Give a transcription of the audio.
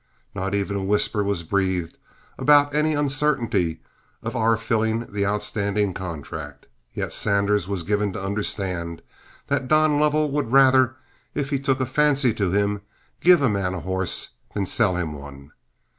Not even a whisper was breathed about any uncertainty of our filling the outstanding contract, yet Sanders was given to understand that Don Lovell would rather, if he took a fancy to him, give a man a horse than sell him one.